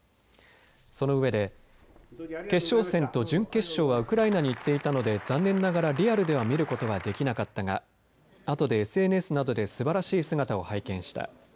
その上で、決勝戦と準決勝はウクライナに行っていたので、残念ながらリアルでは見ることはできなかったが、あとでＳＮＳなどですばらしい姿を拝見した。